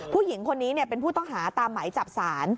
ผู้หญิงคนนี้เป็นผู้ต้องหาตามหมายจับศาล